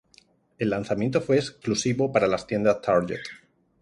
El lanzamiento fue exclusivo para las tiendas Target.